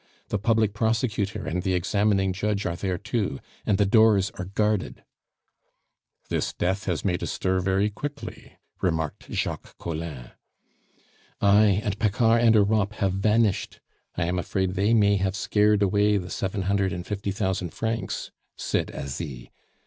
The public prosecutor and the examining judge are there too, and the doors are guarded." "This death has made a stir very quickly," remarked Jacques Collin. "Ay, and Paccard and Europe have vanished; I am afraid they may have scared away the seven hundred and fifty thousand francs," said Asie.